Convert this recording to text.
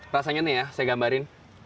rasanya nih ya saya gambarin